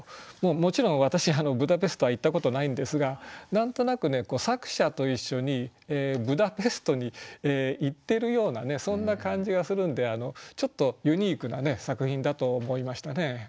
もちろん私ブダペストは行ったことないんですが何となく作者と一緒にブダペストに行ってるようなそんな感じがするんでちょっとユニークな作品だと思いましたね。